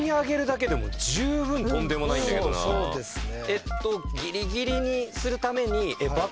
そうですね。